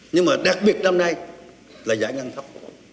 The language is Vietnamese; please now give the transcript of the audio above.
nhưng mà đặc biệt năm nay là giải ngân thấp